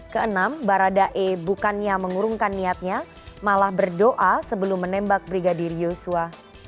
keenam baradae bukannya mengurungkan niatnya malah berdoa sebelum menembak brigadir yosua